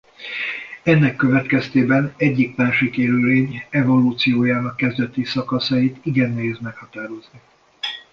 Ennek következtében egyik-másik élőlény evolúciójának kezdeti szakaszait igen nehéz meghatározni.